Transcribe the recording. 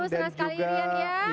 senang sekali ini ya